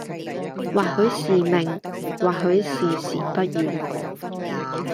或許是命、或許是時不與我。